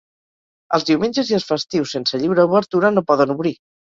Els diumenges i els festius sense lliure obertura no poden obrir.